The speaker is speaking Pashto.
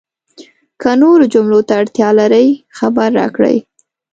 که نورو جملو ته اړتیا لرئ، خبر راکړئ!